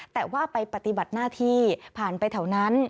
แต่ว่าไปปฏิบัติหน้าที่ผ่านไปแถวนั้น